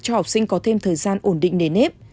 cho học sinh có thêm thời gian ổn định nề nếp